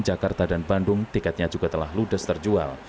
di jalanan ke jakarta dan bandung tiketnya juga telah ludes terjual